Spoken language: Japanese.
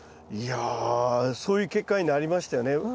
いやそういう結果になりましたよね。